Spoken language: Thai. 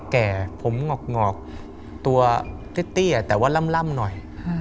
แก่ผมหงอกตัวตี้แต่ว่าล่ำหน่อย